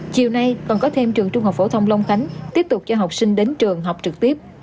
chiều nay còn có thêm trường trung học phổ thông long khánh tiếp tục cho học sinh đến trường học trực tiếp